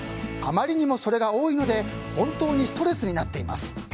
あまりにもそれが多いので本当にストレスになっています。